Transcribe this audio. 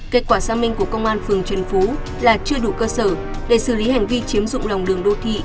kết quả xác minh của công an phường trần phú là chưa đủ cơ sở để xử lý hành vi chiếm dụng lòng đường đô thị